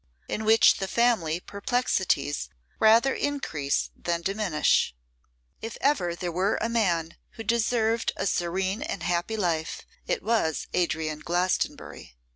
In Which the Family Perplexities Rather Increase than Diminish. IF EVER there were a man who deserved a serene and happy life it was Adrian Glastonbury.